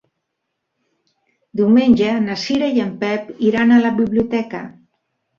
Diumenge na Cira i en Pep iran a la biblioteca.